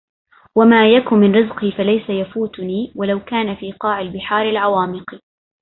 وما يك من رزقي فليـس يفوتني... ولو كان في قاع البحار العوامق